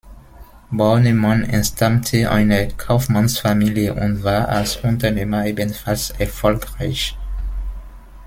Bornemann entstammte einer Kaufmannsfamilie und war als Unternehmer ebenfalls erfolgreich.